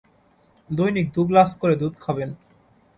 দৈনিক দুগ্লাস করে দুধ খাবেন।